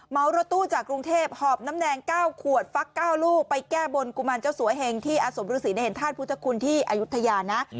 รถตู้จากกรุงเทพหอบน้ำแดง๙ขวดฟัก๙ลูกไปแก้บนกุมารเจ้าสัวเหงที่อาสมฤษีได้เห็นธาตุพุทธคุณที่อายุทยานะ